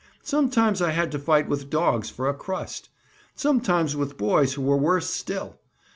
Sometimes I had to fight with dogs for a crust. Sometimes with boys who were worse still.